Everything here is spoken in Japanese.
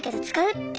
って。